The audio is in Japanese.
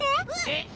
えっ？